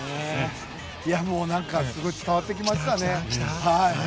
すごい伝わってきましたね。